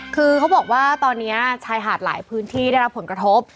คือเขาบอกว่าตอนนี้ชายหาดหลายพื้นที่ได้รับผลกระทบ